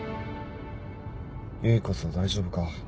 唯こそ大丈夫か？